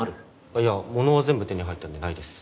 あっいや物は全部手に入ったんでないです。